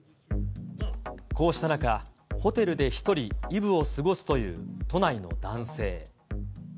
こうした中、ホテルで１人イブを過ごすという都内の男性。